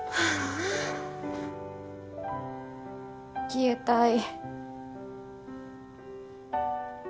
消えたい。